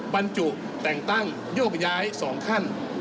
บรรจุแต่งตั้งโยกย้าย๒ขั้น